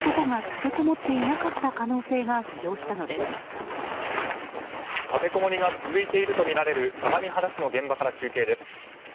立てこもりが続いているとみられる相模原市の現場から中継です。